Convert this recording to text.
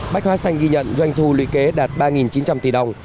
bách hóa xanh ghi nhận doanh thu lý kế đạt ba chín trăm linh tỷ đồng